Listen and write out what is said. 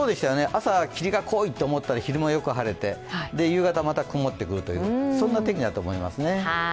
朝、霧が濃いと思ったら昼間よく晴れて夕方また曇ってくるという、そんな天気になると思いますね。